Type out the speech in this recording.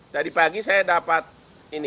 tadi pagi saya dapat ini